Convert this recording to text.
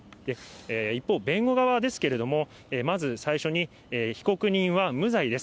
一方、弁護側ですけれども、まず最初に、被告人は無罪です。